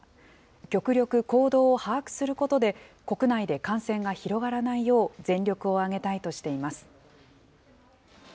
極力、行動を把握することで、国内で感染が広がらないよう全力を挙げたいとしています。